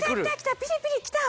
ピリピリきた！